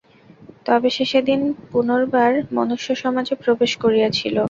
তবে সে সেদিন পুনর্বার মনুষ্যসমাজে প্রবেশ করিয়াছিল।